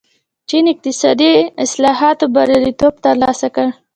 چین اقتصادي اصلاحاتو بریالیتوب ترلاسه کړ.